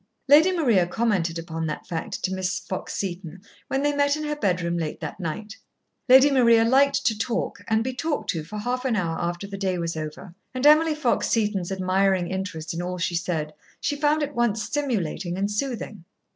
Lady Maria commented upon that fact to Miss Fox Seton when they met in her bedroom late that night. Lady Maria liked to talk and be talked to for half an hour after the day was over, and Emily Fox Seton's admiring interest in all she said she found at once stimulating and soothing.